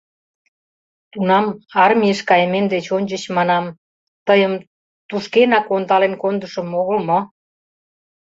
Тунам, армийыш кайымем деч ончыч, манам, тыйым тушкенак ондален кондышым огыл мо?